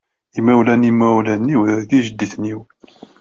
Imawlan n imawlan-iw d ijedditen-iw.